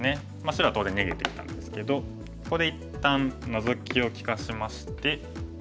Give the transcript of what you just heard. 白は当然逃げていったんですけどここで一旦ノゾキを利かしまして。